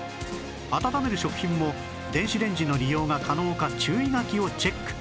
温める食品も電子レンジの利用が可能か注意書きをチェック！